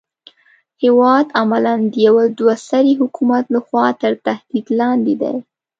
هېواد عملاً د يوه دوه سري حکومت لخوا تر تهدید لاندې دی.